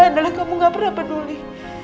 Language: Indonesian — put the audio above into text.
saya adalah kamu yang gak pernah peduli